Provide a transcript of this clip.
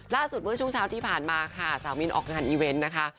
เมื่อช่วงเช้าที่ผ่านมาค่ะสาวมินออกงานอีเวนต์นะคะ